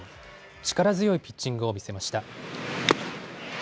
力強いピッチングを見せました。